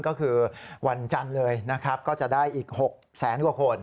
ก็คือวันจันทร์เลยนะครับก็จะได้อีก๖แสนกว่าคน